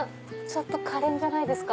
かれんじゃないですか？